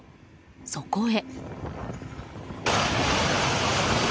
そこへ。